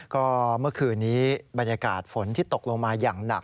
ก็เมื่อคืนนี้บรรยากาศฝนที่ตกลงมาอย่างหนัก